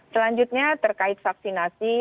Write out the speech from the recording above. selanjutnya terkait vaksinasi